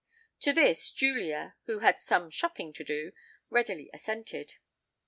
To this Julia, who had some "shopping to do," readily assented.